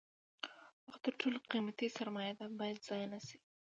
وخت تر ټولو قیمتي سرمایه ده باید ضایع نشي.